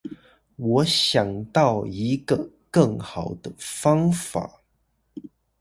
我想到一個更好的方法